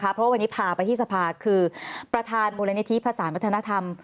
เพราะว่าวันนี้พาไปที่สภาคือประธานมูลนิธิภาษาวัฒนธรรม